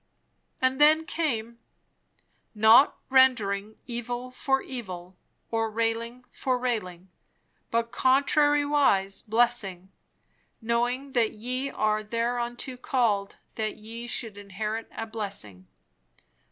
And then came, "Not rendering evil for evil, or railing for railing; but contrariwise blessing; knowing that ye are thereunto called, that ye should inherit a blessing."